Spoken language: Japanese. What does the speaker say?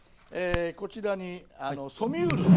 こちらにソミュールというね。